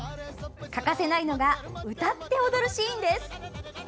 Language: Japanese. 欠かせないのが歌って踊るシーンです。